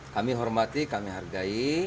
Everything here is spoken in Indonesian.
kami hormati kami hargai